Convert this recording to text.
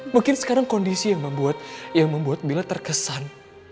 mungkin sekarang kondisi yang membuat mila terkesan